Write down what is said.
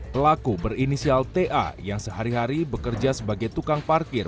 pelaku berinisial ta yang sehari hari bekerja sebagai tukang parkir